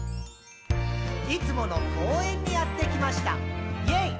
「いつもの公園にやってきました！イェイ！」